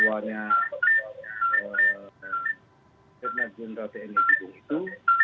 lutman jendral tni tuduh itu